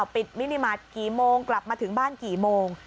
มินิมาตรกี่โมงกลับมาถึงบ้านกี่โมง